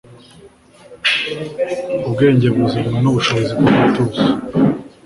ubwenge buzanwa n'ubushobozi bwo gutuza